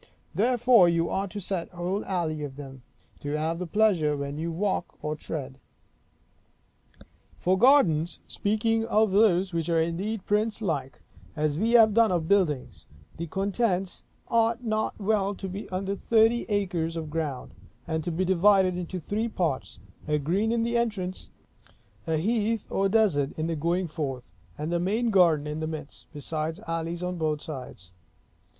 Therefore you are to set whole alleys of them, to have the pleasure when you walk or tread. For gardens (speaking of those which are indeed princelike, as we have done of buildings), the contents ought not well to be under thirty acres of ground; and to be divided into three parts; a green in the entrance; a heath or desert in the going forth; and the main garden in the midst; besides alleys on both sides.